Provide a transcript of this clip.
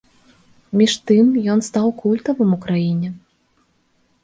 Між тым, ён стаў культавым у краіне.